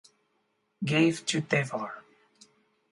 Gave to thevar.